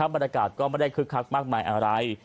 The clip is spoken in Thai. บรรยากาศก็ไม่ได้คึกคักมากมายอะไร